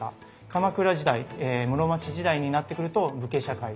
鎌倉時代室町時代になってくると武家社会。